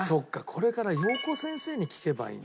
これからようこ先生に聞けばいいんだ。